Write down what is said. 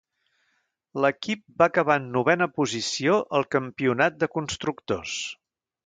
L"equip va acabar en novena posició al Campionat de Constructors.